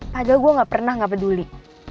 padahal gue gak pernah nggak peduli